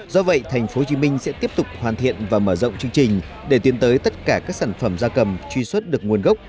do vậy tp hcm sẽ tiếp tục hoàn thiện và mở rộng chương trình để tiến tới tất cả các sản phẩm da cầm truy xuất được nguồn gốc